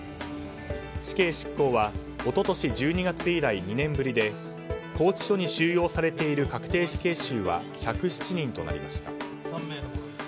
死刑執行は一昨年１２月以来２年ぶりで拘置所に収容されている確定死刑囚は１０７人となりました。